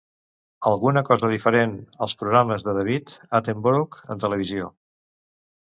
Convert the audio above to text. Alguna cosa diferent als programes de David Attenborough en televisió.